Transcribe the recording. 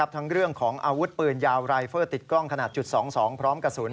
ทั้งเรื่องของอาวุธปืนยาวรายเฟอร์ติดกล้องขนาดจุด๒๒พร้อมกระสุน